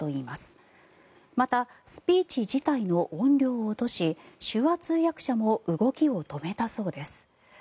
またスピーチ自体の音量を落とし手話通訳者も動きを止めたそうです。